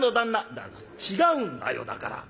「だから違うんだよだから。